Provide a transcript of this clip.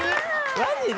マジで？